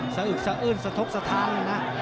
สะอึกสะเอิ้นสะทกสะท้ายนะ